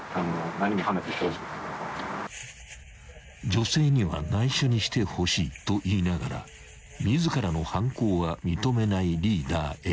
［女性には内緒にしてほしいと言いながら自らの犯行は認めないリーダーＡ］